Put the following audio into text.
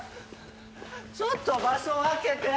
ちょっと場所分けて！